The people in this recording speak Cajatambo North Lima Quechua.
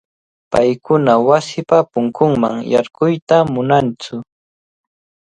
Paykunaqa wasipa punkunman yarquyta munantsu.